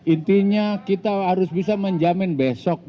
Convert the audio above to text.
intinya kita harus bisa menjamin besok